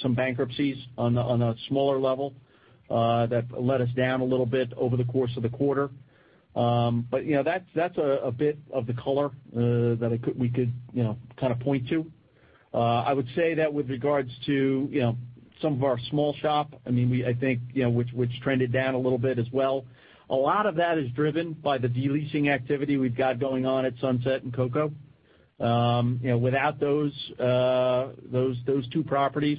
some bankruptcies on a smaller level that let us down a little bit over the course of the quarter. That's a bit of the color that we could kind of point to. I would say that with regards to some of our small shop, which trended down a little bit as well. A lot of that is driven by the de-leasing activity we've got going on at Sunset and CocoWalk. Without those two properties,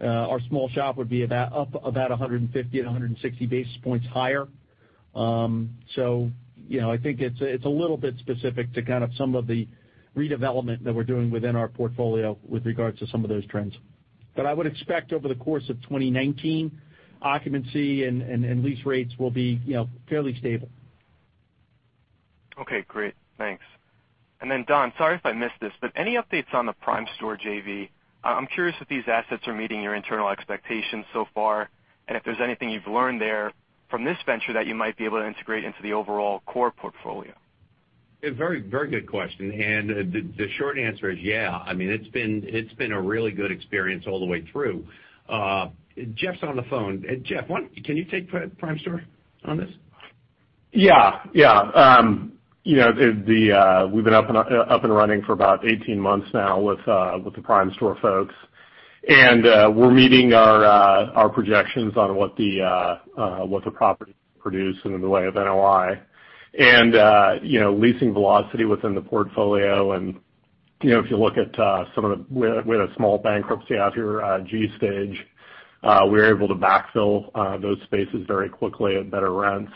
our small shop would be up about 150 to 160 basis points higher. I think it's a little bit specific to kind of some of the redevelopment that we're doing within our portfolio with regards to some of those trends. I would expect over the course of 2019, occupancy and lease rates will be fairly stable. Okay, great. Thanks. Don, sorry if I missed this, any updates on the Primestor JV? I'm curious if these assets are meeting your internal expectations so far, and if there's anything you've learned there from this venture that you might be able to integrate into the overall core portfolio. A very good question. The short answer is yeah. It's been a really good experience all the way through. Jeff's on the phone. Jeff, can you take Primestor on this? Yeah. We've been up and running for about 18 months now with the Primestor folks. We're meeting our projections on what the property produce in the way of NOI. Leasing velocity within the portfolio, if you look at some of the We had a small bankruptcy out here, Stage Stores. We were able to backfill those spaces very quickly at better rents.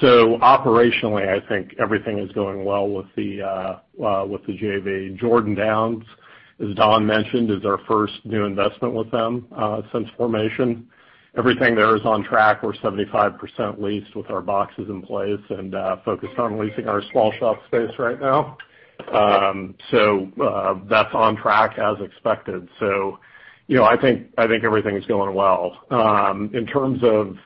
Operationally, I think everything is going well with the JV. Jordan Downs, as Don mentioned, is our first new investment with them since formation. Everything there is on track. We're 75% leased with our boxes in place and focused on leasing our small shop space right now. That's on track as expected. I think everything's going well. In terms of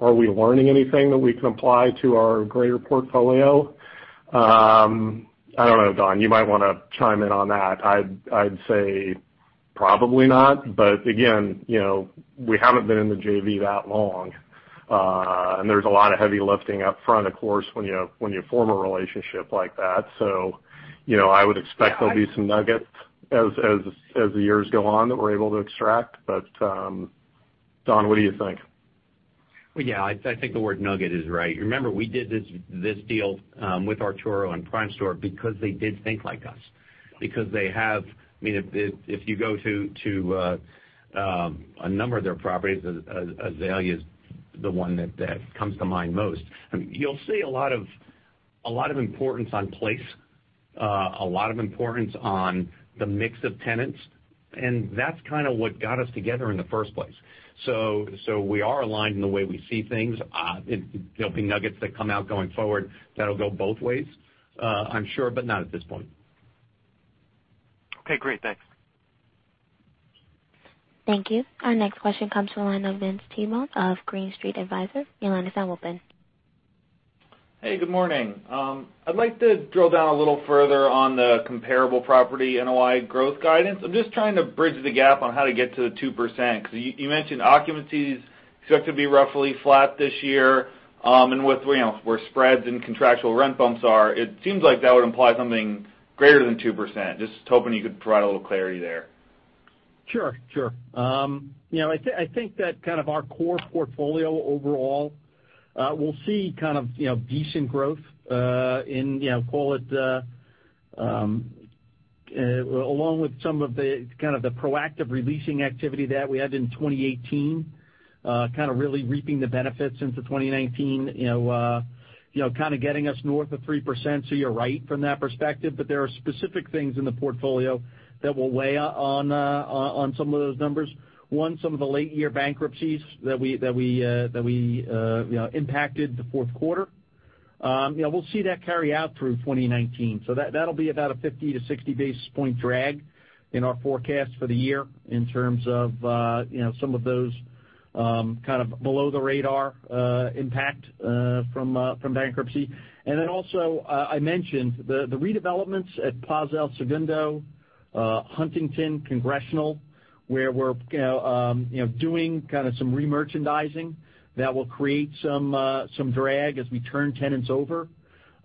are we learning anything that we can apply to our greater portfolio? I don't know, Don, you might want to chime in on that. I'd say probably not. Again, we haven't been in the JV that long. There's a lot of heavy lifting up front, of course, when you form a relationship like that. I would expect there'll be some nuggets as the years go on that we're able to extract. Don, what do you think? Well, yeah, I think the word nugget is right. Remember, we did this deal with Arturo and Primestor because they did think like us. They have If you go to a number of their properties, Azalea's the one that comes to mind most. You'll see a lot of importance on place, a lot of importance on the mix of tenants, and that's kind of what got us together in the first place. We are aligned in the way we see things. There'll be nuggets that come out going forward that'll go both ways, I'm sure, but not at this point. Okay, great. Thanks. Thank you. Our next question comes from the line of Vince Tibone of Green Street Advisors. Your line is now open. Hey, good morning. I'd like to drill down a little further on the comparable property NOI growth guidance. I'm just trying to bridge the gap on how to get to the 2%, because you mentioned occupancies, expect to be roughly flat this year. With where spreads and contractual rent bumps are, it seems like that would imply something greater than 2%. Just hoping you could provide a little clarity there. Sure. I think that kind of our core portfolio overall will see kind of decent growth in, call it along with some of the kind of the proactive re-leasing activity that we had in 2018, kind of really reaping the benefits into 2019, kind of getting us north of 3%. You're right from that perspective, but there are specific things in the portfolio that will weigh on some of those numbers. One, some of the late year bankruptcies that we impacted the fourth quarter. We'll see that carry out through 2019. That'll be about a 50 to 60 basis point drag in our forecast for the year in terms of some of those kind of below the radar impact from bankruptcy. Also, I mentioned the redevelopments at Plaza El Segundo, Huntington, Congressional, where we're doing kind of some remerchandising that will create some drag as we turn tenants over.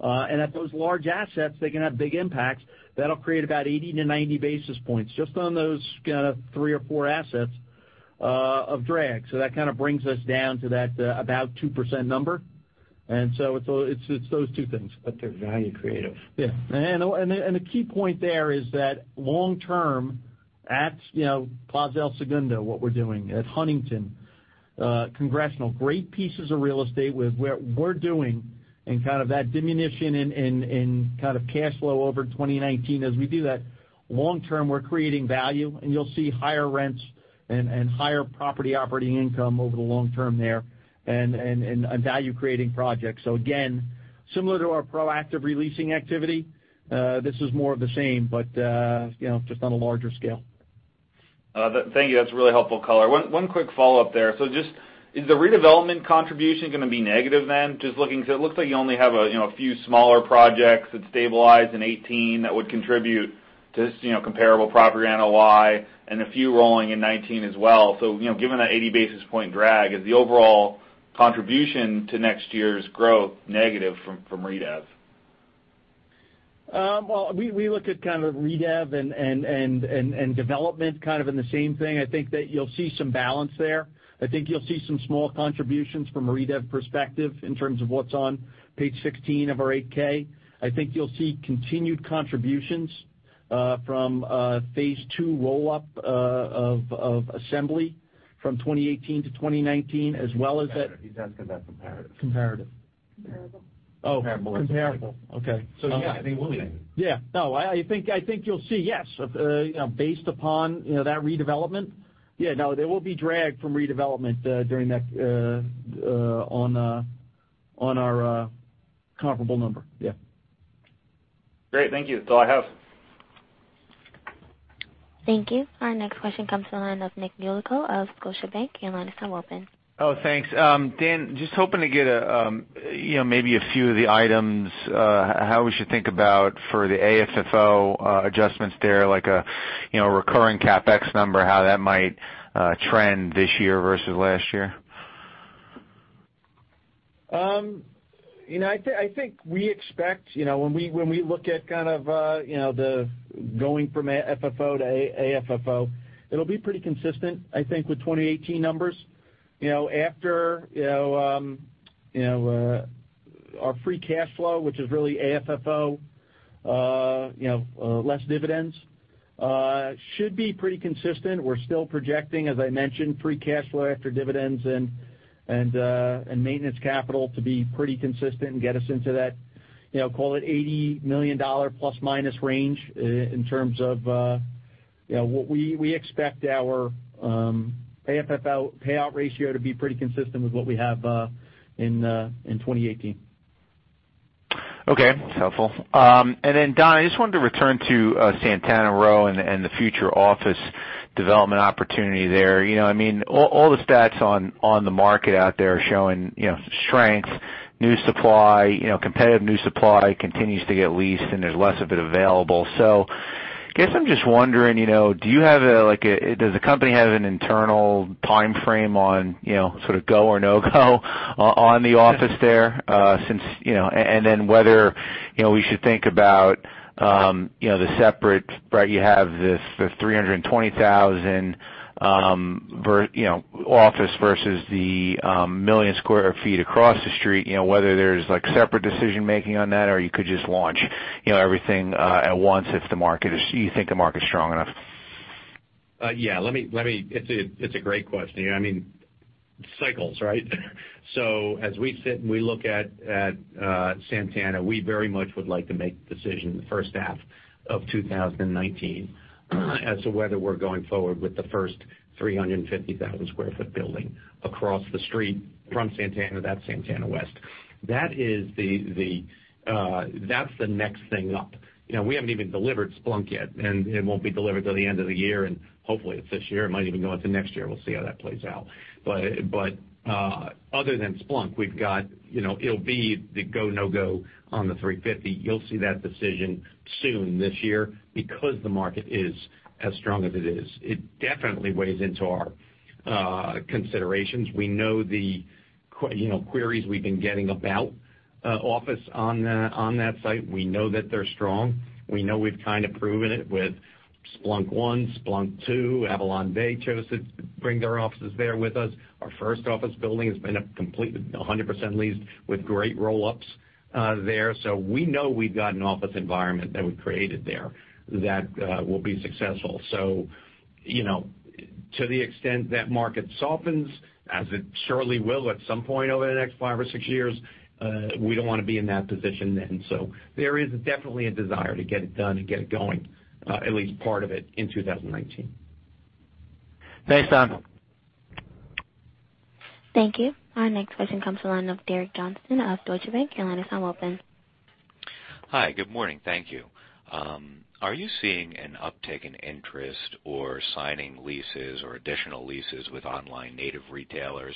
At those large assets, they can have big impacts. That'll create about 80 to 90 basis points, just on those kind of three or four assets of drag. That kind of brings us down to that about 2% number. It's those two things. They're value-creative. The key point there is that long term, at Plaza El Segundo, what we're doing at Huntington, Congressional, great pieces of real estate where we're doing, that diminution in cash flow over 2019 as we do that. Long term, we're creating value, and you'll see higher rents and higher property operating income over the long term there and value-creating projects. Again, similar to our proactive re-leasing activity, this is more of the same, but just on a larger scale. Thank you. That's a really helpful color. One quick follow-up there. Just, is the redevelopment contribution going to be negative then? Just looking, because it looks like you only have a few smaller projects that stabilize in 2018 that would contribute to comparable property NOI and a few rolling in 2019 as well. Given that 80 basis point drag, is the overall contribution to next year's growth negative from redev? We look at redev and development in the same thing. I think that you'll see some balance there. I think you'll see some small contributions from a redev perspective in terms of what's on page 16 of our 8-K. I think you'll see continued contributions from phase 2 roll-up of Assembly from 2018 to 2019, as well as that- He's asking about comparative. Comparative. Comparable. Oh, comparable. Okay. Comparable. Yeah, I think we'll- Yeah. No, I think you'll see, yes. Based upon that redevelopment. Yeah. No, there will be drag from redevelopment during that on our comparable number. Yeah. Great. Thank you. That's all I have. Thank you. Our next question comes from the line of Nicholas Yulico of Scotiabank. Your line is now open. Thanks. Dan, just hoping to get maybe a few of the items, how we should think about for the AFFO adjustments there, like a recurring CapEx number, how that might trend this year versus last year. I think we expect, when we look at kind of going from FFO to AFFO, it'll be pretty consistent, I think, with 2018 numbers. After our free cash flow, which is really AFFO, less dividends, should be pretty consistent. We're still projecting, as I mentioned, free cash flow after dividends and maintenance capital to be pretty consistent and get us into that, call it $80 million plus/minus range in terms of what we expect our AFFO payout ratio to be pretty consistent with what we have in 2018. That's helpful. Don, I just wanted to return to Santana Row and the future office development opportunity there. All the stats on the market out there are showing strength, new supply, competitive new supply continues to get leased, and there's less of it available. Guess I'm just wondering, does the company have an internal timeframe on sort of go or no-go on the office there? And then whether we should think about the separate, right, you have the 320,000 office versus the 1 million square feet across the street, whether there's separate decision-making on that, or you could just launch everything at once if you think the market's strong enough. Yeah. It's a great question. Cycles, right? As we sit and we look at Santana, we very much would like to make the decision in the first half of 2019 as to whether we're going forward with the first 350,000-square foot building across the street from Santana, that's Santana West. That's the next thing up. We haven't even delivered Splunk yet, and it won't be delivered till the end of the year, and hopefully it's this year. It might even go into next year. We'll see how that plays out. Other than Splunk, it'll be the go, no-go on the 350. You'll see that decision soon this year because the market is as strong as it is. It definitely weighs into our considerations. We know the queries we've been getting about office on that site. We know that they're strong. We know we've kind of proven it with Splunk 1, Splunk 2. AvalonBay chose to bring their offices there with us. Our first office building has been 100% leased with great roll-ups there. We know we've got an office environment that we've created there that will be successful. To the extent that market softens, as it surely will at some point over the next five or six years, we don't want to be in that position then. There is definitely a desire to get it done and get it going, at least part of it in 2019. Thanks, Don. Thank you. Our next question comes from the line of Derek Johnston of Deutsche Bank. Your line is now open. Hi. Good morning. Thank you. Are you seeing an uptick in interest or signing leases or additional leases with online native retailers?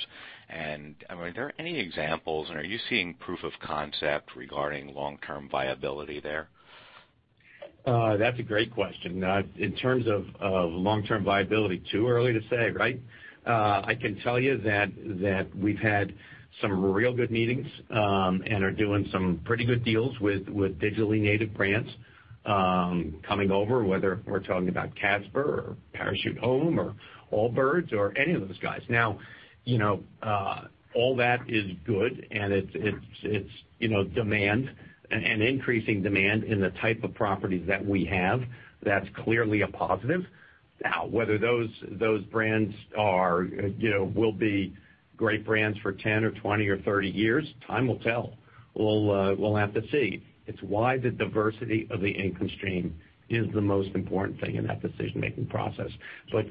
Are there any examples, and are you seeing proof of concept regarding long-term viability there? That's a great question. In terms of long-term viability, too early to say, right? I can tell you that we've had some real good meetings and are doing some pretty good deals with digitally native brands coming over, whether we're talking about Casper or Parachute Home or Allbirds or any of those guys. All that is good, and it's demand, an increasing demand in the type of properties that we have. That's clearly a positive. Whether those brands will be great brands for 10 or 20 or 30 years, time will tell. We'll have to see. It's why the diversity of the income stream is the most important thing in that decision-making process.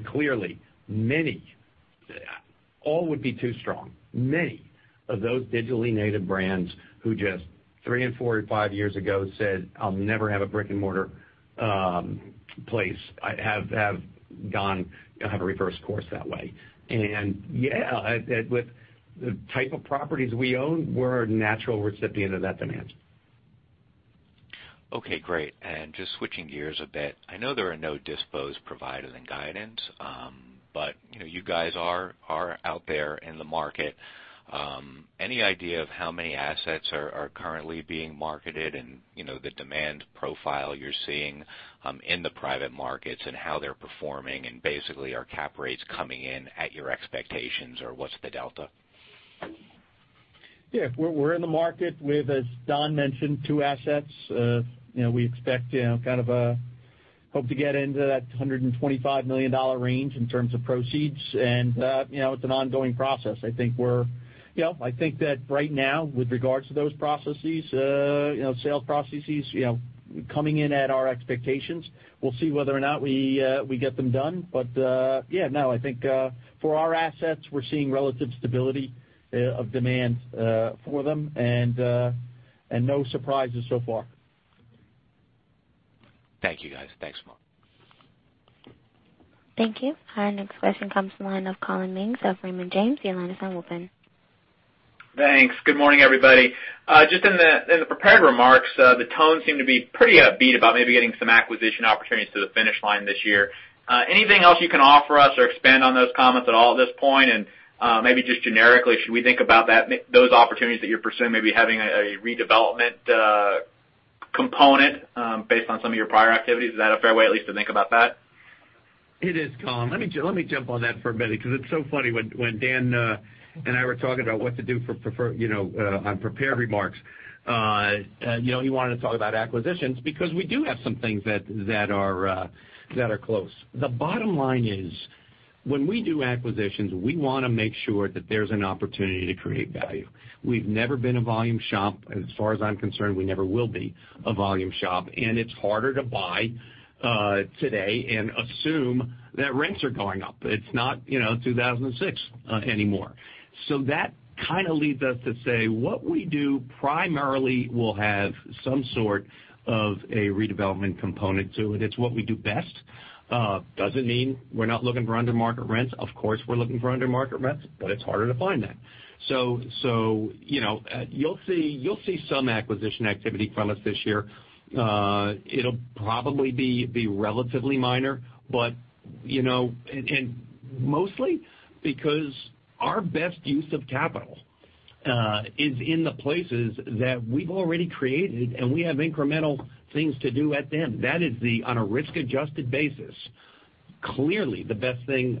Clearly, many, all would be too strong. Many of those digitally native brands who just three and four to five years ago said, "I'll never have a brick-and-mortar place," have gone, have reversed course that way. Yeah, with the type of properties we own, we're a natural recipient of that demand. Okay, great. Just switching gears a bit, I know there are no disposed providers and guidance. You guys are out there in the market. Any idea of how many assets are currently being marketed and the demand profile you're seeing in the private markets and how they're performing and basically are cap rates coming in at your expectations or what's the delta? Yeah. We're in the market with, as Don mentioned, two assets. We expect kind of hope to get into that $125 million range in terms of proceeds, it's an ongoing process. I think that right now, with regards to those processes, sales processes coming in at our expectations. We'll see whether or not we get them done. Yeah, no, I think for our assets, we're seeing relative stability of demand for them and no surprises so far. Thank you, guys. Thanks so much. Thank you. Our next question comes from the line of Collin Mings of Raymond James. Your line is now open. Thanks. Good morning, everybody. Just in the prepared remarks, the tone seemed to be pretty upbeat about maybe getting some acquisition opportunities to the finish line this year. Anything else you can offer us or expand on those comments at all at this point? Maybe just generically, should we think about those opportunities that you're pursuing maybe having a redevelopment component based on some of your prior activities? Is that a fair way at least to think about that? It is, Collin. Let me jump on that for a minute because it's so funny when Dan and I were talking about what to do on prepared remarks. He wanted to talk about acquisitions because we do have some things that are close. The bottom line is when we do acquisitions, we want to make sure that there's an opportunity to create value. We've never been a volume shop, as far as I'm concerned, we never will be a volume shop, and it's harder to buy today and assume that rents are going up. It's not 2006 anymore. That kind of leads us to say what we do primarily will have some sort of a redevelopment component to it. It's what we do best. Doesn't mean we're not looking for under-market rents. Of course, we're looking for under-market rents. It's harder to find that. You'll see some acquisition activity from us this year. It'll probably be relatively minor, mostly because our best use of capital is in the places that we've already created, and we have incremental things to do at them. That is the, on a risk-adjusted basis, clearly the best thing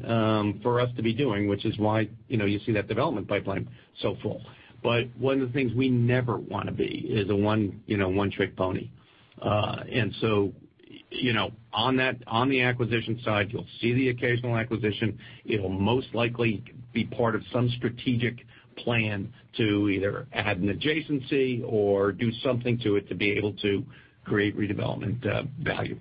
for us to be doing, which is why you see that development pipeline so full. One of the things we never want to be is a one-trick pony. On the acquisition side, you'll see the occasional acquisition. It'll most likely be part of some strategic plan to either add an adjacency or do something to it to be able to create redevelopment value.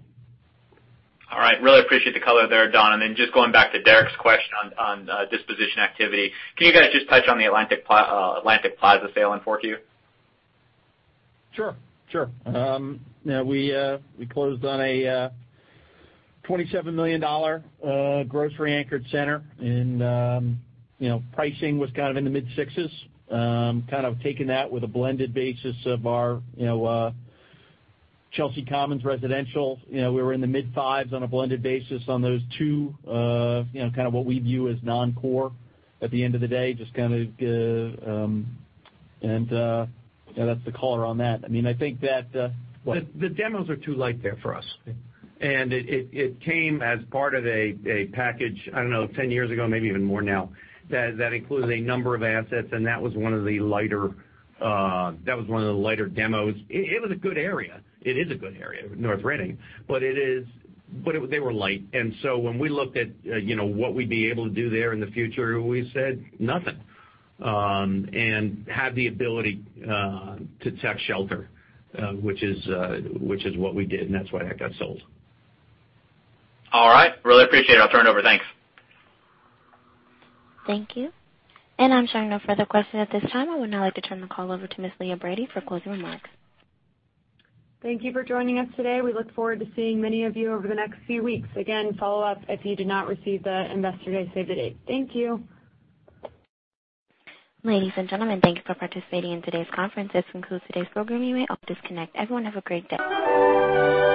All right. Really appreciate the color there, Don. Just going back to Derek's question on disposition activity. Can you guys just touch on the Atlantic Plaza sale in 4Q? Sure. We closed on a $27 million grocery-anchored center. Pricing was kind of in the mid-sixes. Taking that with a blended basis of our Chelsea Commons residential. We were in the mid-fives on a blended basis on those two kind of what we view as non-core at the end of the day, just kind of. That's the color on that. I mean, I think that. The demos are too light there for us. Yeah. It came as part of a package, I don't know, 10 years ago, maybe even more now, that includes a number of assets, and that was one of the lighter demos. It was a good area. It is a good area, North Reading. They were light. When we looked at what we'd be able to do there in the future, we said nothing. Had the ability to tax shelter, which is what we did, and that's why that got sold. All right. Really appreciate it. I'll turn it over. Thanks. Thank you. I'm showing no further questions at this time. I would now like to turn the call over to Ms. Leah Brady for closing remarks. Thank you for joining us today. We look forward to seeing many of you over the next few weeks. Again, follow up if you did not receive the Investor Day save the date. Thank you. Ladies and gentlemen, thank you for participating in today's conference. This concludes today's program. You may all disconnect. Everyone, have a great day.